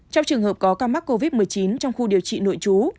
trong trường hợp có ca mắc covid một mươi chín trong khu điều trị nội trú